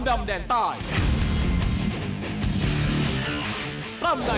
สวัสดีครับ